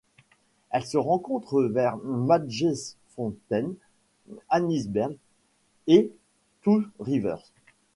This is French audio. Elle se rencontre vers Matjiesfontein, Anysberg et Touws River.